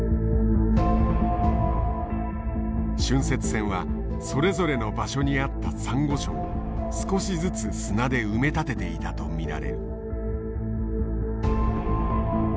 浚渫船はそれぞれの場所にあったサンゴ礁を少しずつ砂で埋め立てていたと見られる。